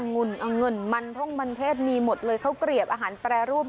อังุ่นอังุ่นมันท่องมันเทศมีหมดเลยเขากรีบอาหารแปรรูป